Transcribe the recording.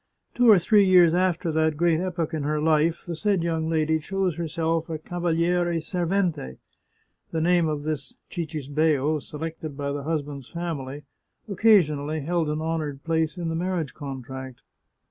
Two or three years after that great epoch in her life the said young lady chose herself a cava liere servente; the name of this cictsbeo, selected by the husband's family, occasionally held an honoured place in the marriage contract.